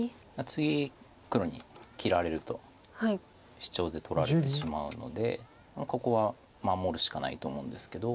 次黒に切られるとシチョウで取られてしまうのでここは守るしかないと思うんですけど。